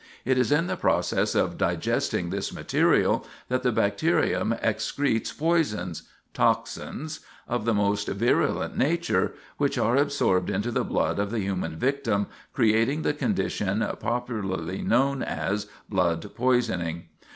It is in the process of digesting this material that the bacterium excretes poisons toxins of the most virulent nature, which are absorbed into the blood of the human victim, creating the condition popularly known as blood poisoning.